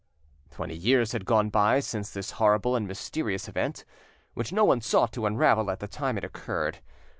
Twenty years had gone by since this horrible and mysterious event, which no one sought to unravel at the time it occurred.